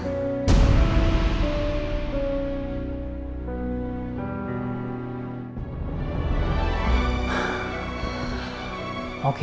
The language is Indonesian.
kalo aku belum menemukan anak kita